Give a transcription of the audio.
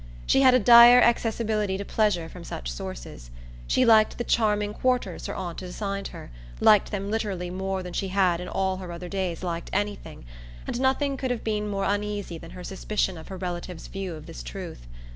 She had a dire accessibility to pleasure from such sources. She liked the charming quarters her aunt had assigned her liked them literally more than she had in all her other days liked anything; and nothing could have been more uneasy than her suspicion of her relative's view of this truth.